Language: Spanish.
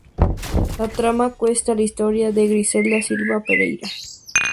La trama cuenta la historia de Griselda Silva Pereira.